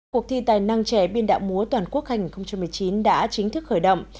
cuộc thi tài năng trẻ biên đạo múa toàn quốc hành hai nghìn một mươi chín đã chính thức khởi động